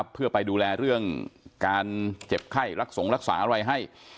เพื่อไปดูแลเรื่องการเจ็บไข้รักสงรักษาอะไรให้